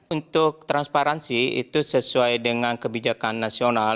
untuk transparansi itu sesuai dengan kebijakan nasional